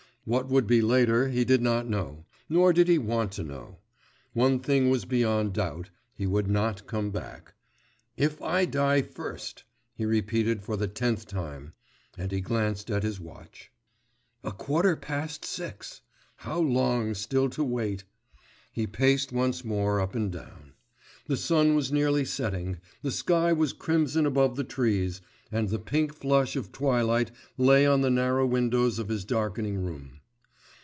What would be later, he did not know, nor did he want to know.... One thing was beyond doubt, he would not come back. 'If I die first!' he repeated for the tenth time, and he glanced at his watch. A quarter past six! How long still to wait! He paced once more up and down. The sun was nearly setting, the sky was crimson above the trees, and the pink flush of twilight lay on the narrow windows of his darkening room.